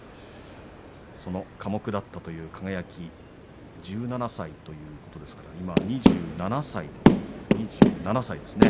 その寡黙だったという輝１７歳ということですから今、２７歳ですね。